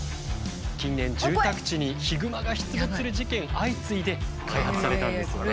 近年住宅地にヒグマが出没する事件相次いで開発されたんですよね。